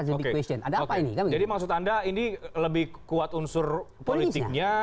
jadi maksud anda ini lebih kuat unsur politiknya